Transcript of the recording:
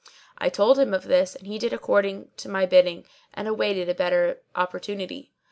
I told him of this, and he did according to my bidding and awaited a better opportunity.